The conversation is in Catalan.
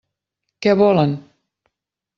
Què volen?